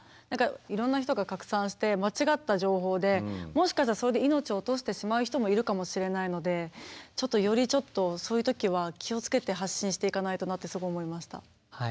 いろんな人が拡散して間違った情報でもしかしたらそれで命を落としてしまう人もいるかもしれないのでちょっとよりそういう時は気を付けて発信していかないとなってすごい思いました。